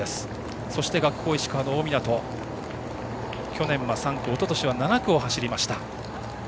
そして学法石川の大湊は去年は３区、おととしは７区を走りました。